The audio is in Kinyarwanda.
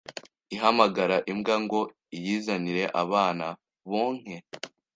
ihamagara imbwa ngo iyizanire abana bonke